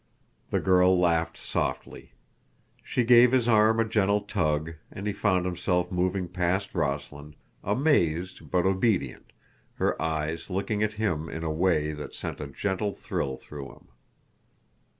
The girl laughed softly. She gave his arm a gentle tug, and he found himself moving past Rossland, amazed but obedient, her eyes looking at him in a way that sent a gentle thrill through him.